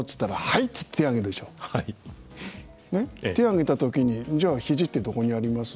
手挙げた時にじゃあひじってどこにあります？